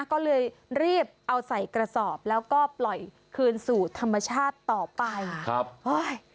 ก็เลยรีบเอาใส่กระสอบแล้วก็ปล่อยคืนสู่ธรรมชาติต่อไปครับเฮ้ย